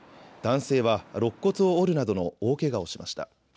男性はろっ骨を折るなどの大けがをしました。